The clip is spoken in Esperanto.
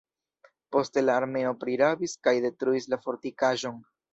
Poste la armeo prirabis kaj detruis la fortikaĵon.